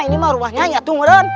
ini mah rumahnya i atuh nguron